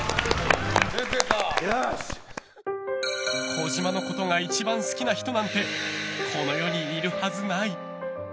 児嶋のことが一番好きな人なんてこの世にいるはずない。